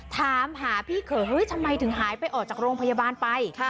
ถามหาพี่เขยเฮ้ยทำไมถึงหายไปออกจากโรงพยาบาลไป